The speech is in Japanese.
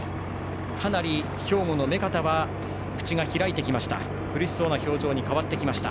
かなり兵庫の目片は口が開いてきました。